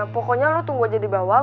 pokoknya lo tunggu aja di bawah